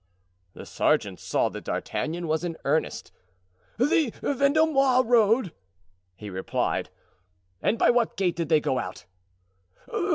The sergeant saw that D'Artagnan was in earnest. "The Vendomois road," he replied. "And by what gate did they go out?"